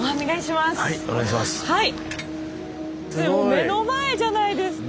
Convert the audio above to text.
目の前じゃないですか！